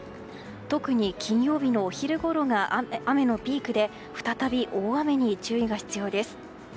特に金曜日のお昼ごろが雨のピークで再び大雨に注意が必要です。